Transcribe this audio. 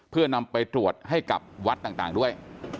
เพื่อนำไปตรวจให้กับวัดต่างด้วย